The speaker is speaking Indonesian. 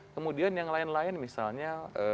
kemudian yang lain lain misalnya